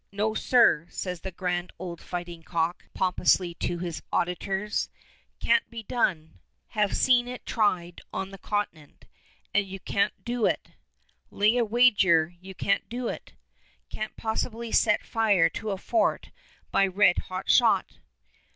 "No, sir," says the grand old fighting cock pompously to his auditors, "can't be done! Have seen it tried on the Continent, and you can't do it! Lay a wager you can't do it! Can't possibly set fire to a fort by red hot shot!"